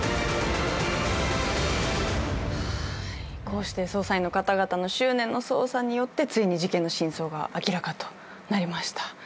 こうして捜査員の方々の執念の捜査によってついに事件の真相が明らかとなりました。